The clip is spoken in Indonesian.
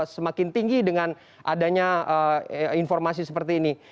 semakin tinggi dengan adanya informasi seperti ini